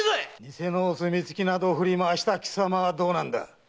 偽のお墨付きなど振り回した貴様はどうなんだ。